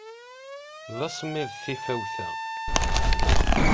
D asemmiḍ tifawt-a.